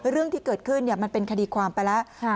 เรื่องที่เกิดขึ้นมันเป็นคดีความไปแล้ว